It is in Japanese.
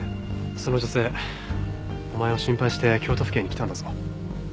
その女性お前を心配して京都府警に来たんだぞ。